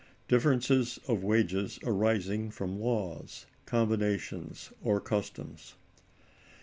Differences of Wages Arising from Laws, Combinations, or Customs.